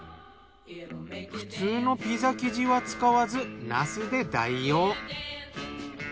普通のピザ生地は使わずなすで代用。